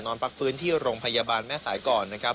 พักฟื้นที่โรงพยาบาลแม่สายก่อนนะครับ